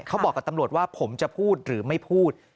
เขาบอกกับตำรวจว่าผมจะพูดหรือไม่พูด